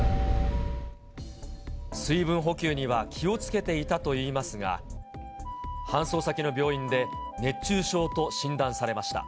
水分補給には気をつけていたといいますが、搬送先の病院で、熱中症と診断されました。